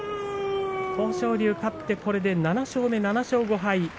豊昇龍、勝ってこれで７勝目７勝５敗。